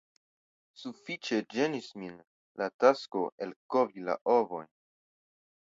Sufiĉe ĝenis min la tasko elkovi la ovojn.